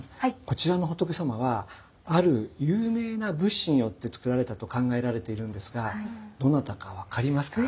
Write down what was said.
こちらの仏様はある有名な仏師によって造られたと考えられているんですがどなたか分かりますか？